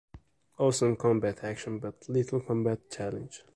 Awesome combat action, but little combat challenge.